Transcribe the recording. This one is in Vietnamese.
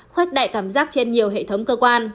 khoách đại cảm giác trên nhiều hệ thống cơ quan